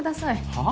「はあ？」